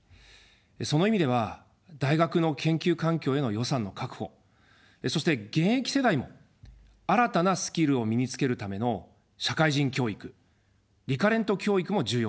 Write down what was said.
その意味では大学の研究環境への予算の確保、そして現役世代も新たなスキルを身につけるための社会人教育、リカレント教育も重要ですね。